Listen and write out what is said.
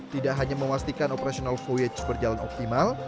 tidak hanya memastikan operasional voyage berjalan optimal